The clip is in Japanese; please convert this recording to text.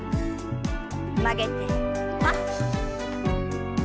曲げてパッ。